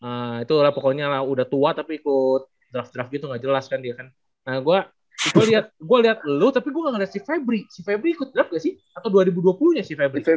ah itu lah pokoknya udah tua tapi ikut draft draft gitu gak jelas kan dia kan nah gue lihat gue liat lu tapi gue gak ngeliat si febri si febri ikut draft gak sih atau dua ribu dua puluh nya si febri